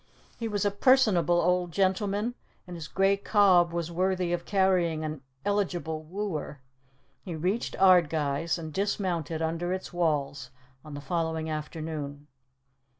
He was a personable old gentleman, and his grey cob was worthy of carrying an eligible wooer. He reached Ardguys, and dismounted under its walls on the following afternoon.